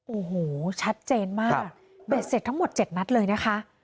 โอ้โหชัดเจนมากเบ็ดเสร็จทั้งหมด๗นัดเลยนะคะ